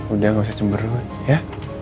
udah gak usah jember ya